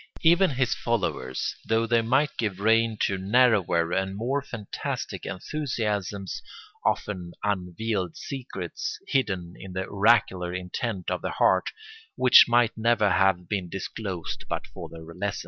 Even his followers, though they might give rein to narrower and more fantastic enthusiasms, often unveiled secrets, hidden in the oracular intent of the heart, which might never have been disclosed but for their lessons.